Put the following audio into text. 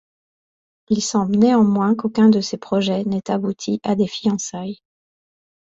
Il semble néanmoins qu'aucun de ses projets n'ait abouti à des fiançailles.